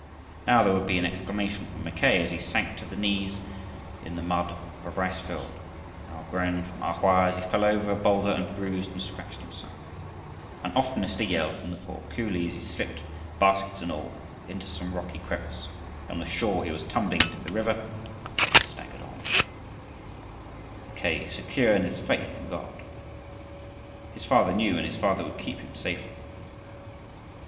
Now there would be an exclamation from Mackay as he sank to the knees in the mud of a rice field, now a groan from A Hoa as he fell over a boulder and bruised and scratched himself, and oftenest a yell from the poor coolie, as he slipped, baskets and all, into some rocky crevice, and was sure he was tumbling into the river; but they staggered on, Mackay secure in his faith in God. His Father knew and his Father would keep him safely.